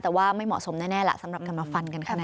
แต่ว่าไม่เหมาะสมแน่ล่ะสำหรับกันมาฟันกันขนาดนี้